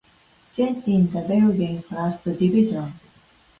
Gent in the Belgian First Division.